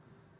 kalau di bnn